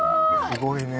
すごいね。